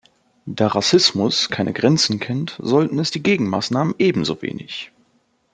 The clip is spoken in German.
Da Rassismus keine Grenzen kennt, sollten es die Gegenmaßnahmen ebenso wenig.